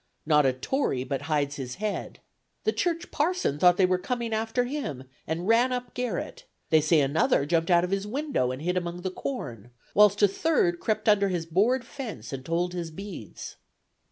Not a Tory but hides his head. The church parson thought they were coming after him, and ran up garret; they say another jumped out of his window and hid among the corn, whilst a third crept under his board fence and told his beads."